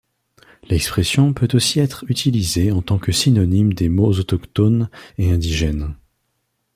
L'expression peut aussi être utilisée en tant que synonyme des mots autochtone et indigène.